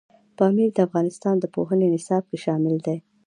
پامیر د افغانستان د پوهنې نصاب کې شامل دي.